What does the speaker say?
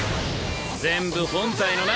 全部本体のな！